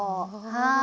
はい。